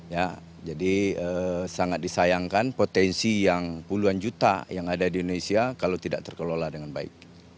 ya jadi sangat disayangkan potensi yang puluhan juta yang ada di indonesia kalau tidak terkelola dengan baik